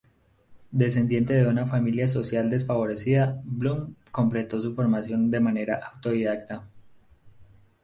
Descendiente de una familia socialmente desfavorecida, Blum completó su formación de manera autodidacta.